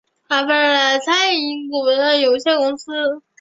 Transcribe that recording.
餐饮股份有限公司